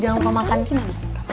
jangan mau makan gini